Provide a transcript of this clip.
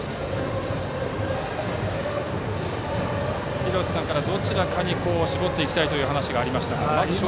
廣瀬さんから、どちらかに絞っていきたいという話がありましたが。